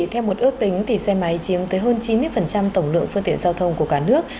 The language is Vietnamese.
theo một ước tính xe máy chiếm tới hơn chín mươi tổng lượng phương tiện giao thông của cả nước